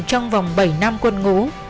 trong vòng bảy năm quân ngũ